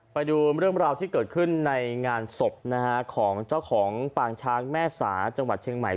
ไปดูเรื่องราวที่เกิดขึ้นในงานศพนะฮะของเจ้าของปางช้างแม่สาจังหวัดเชียงใหม่